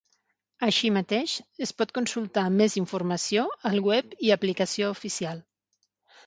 Així mateix, es pot consultar més informació al web i aplicació oficial.